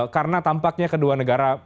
karena tampaknya kedua negara